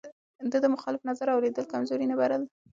ده د مخالف نظر اورېدل کمزوري نه بلله.